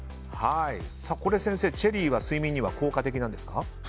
これ先生、チェリーは睡眠に効果的なんですか？